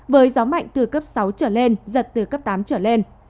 với gió mạnh từ cấp sáu trở lên giật từ cấp tám trở lên